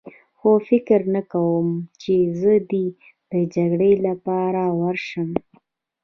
خو فکر نه کوم چې زه دې د جګړې لپاره ورشم.